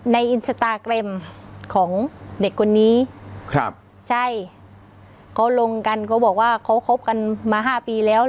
อินสตาแกรมของเด็กคนนี้ครับใช่เขาลงกันเขาบอกว่าเขาคบกันมาห้าปีแล้ว